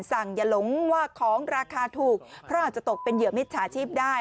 อย่าหลงว่าของราคาถูกเพราะอาจจะตกเป็นเหยื่อมิจฉาชีพได้